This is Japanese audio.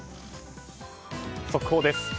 速報です。